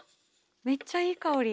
めっちゃいい香り。